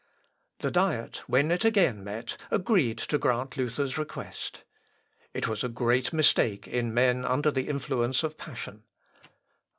The Diet when it again met, agreed to grant Luther's request. It was a great mistake in men under the influence of passion.